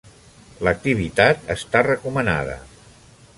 L'activitat està recomanada.